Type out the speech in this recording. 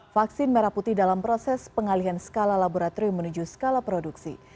vaksin merah putih dalam proses pengalihan skala laboratorium menuju skala produksi